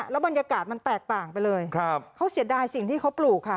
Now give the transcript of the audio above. แล้วบรรยากาศมันแตกต่างไปเลยเขาเสียดายสิ่งที่เขาปลูกค่ะ